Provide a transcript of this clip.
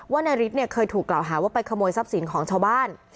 นายฤทธิ์เนี่ยเคยถูกกล่าวหาว่าไปขโมยทรัพย์สินของชาวบ้าน